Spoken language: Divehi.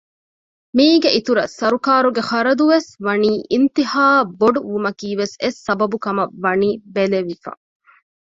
މީގެ އިތުރަށް ސަރުކާރުގެ ޚަރަދުވެސް ވަނީ އިންތިހާއަށް ބޮޑު ވުމަކީވެސް އެއް ސަބަބު ކަމަށް ވަނީ ބެލެވިފަ